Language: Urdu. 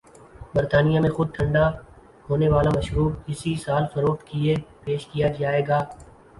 برطانیہ میں خود ٹھنڈا ہونے والا مشروب اسی سال فروخت کے لئے پیش کیاجائے گا۔